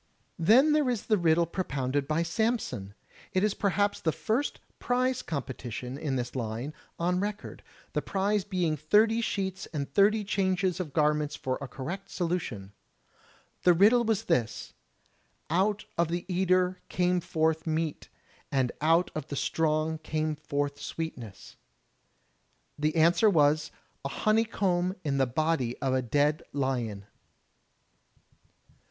Then there is the riddle propounded by Samson. It is perhaps the first prize competition in this line on record, the prize being thirty sheets and thirty changes of garments for a correct solution. The riddle was this: "Out of the eater came forth meat, and out of the strong came forth sweetness.*' The answer was, "A honeycomb in the body of a dead lion."